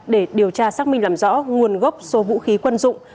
để điều tra xác minh làm rõ nguồn gốc số vũ khí quân dụng